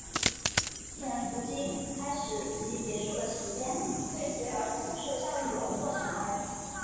潜伏期开始及结束的时间会随儿童受养育的过程而定。